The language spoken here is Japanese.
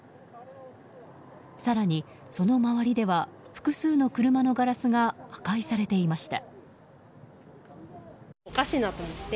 更にその周りでは、複数の車のガラスが破壊されていました。